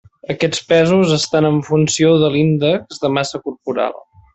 Aquests pesos estan en funció de l'índex de massa corporal.